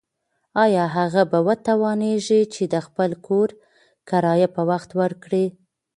ایا هغه به وتوانیږي چې د خپل کور کرایه په وخت ورکړي؟